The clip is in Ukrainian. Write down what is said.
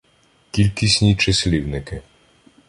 Кількісні числівники